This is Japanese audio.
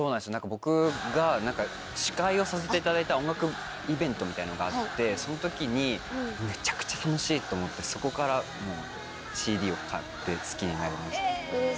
僕が司会をさせていただいた音楽イベントみたいのがあってその時に。って思ってそこからＣＤを買って好きになりました。